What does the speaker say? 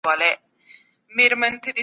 تاسو باید هره ورځ نوي کوډونه تمرین کړئ.